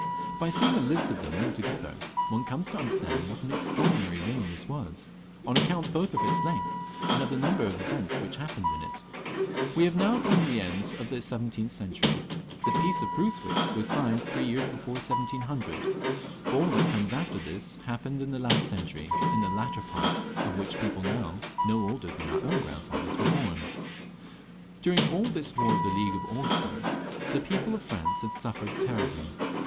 By seeing a list of them all together, one comes to imderstand what an extraordinary reign this was, on account both of its length and of the number of events which happened in it. We have now come to the end of the seventeenth century. The peace of Eyswick was signed three years before 1700 ; all that comes after this happened in the last century, in which people no older than our own grandfathers were bom. During all this war of the League of Augsburg the people of France had suffered terribly.